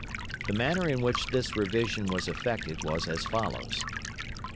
The manner in which this revision was effected was as follows.